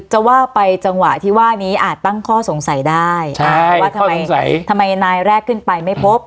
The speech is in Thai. จะว่าไปจังหวะที่ว่านี้อาจตั้งข้อสงสัยได้ว่าทำไมทำไมนายแรกขึ้นไปไม่พบ